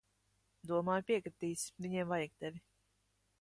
Domāju, piekritīs. Viņiem vajag tevi.